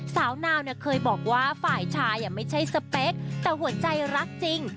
สาวนาวเนี่ยเคยบอกว่าฝ่ายชายไม่ใช่สเปคแต่หัวใจรักจริง